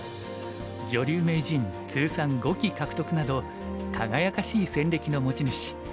女流名人通算５期獲得など輝かしい戦歴の持ち主